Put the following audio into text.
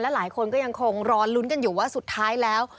หลายคนก็ยังคงรอลุ้นกันอยู่ว่าสุดท้ายแล้ว